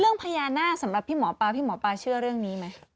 เรื่องพญานาคสำหรับพี่หมอปลาพี่หมอปลาเชื่อเรื่องนี้ไหม